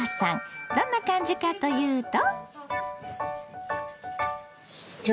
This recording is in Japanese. どんな感じかというと。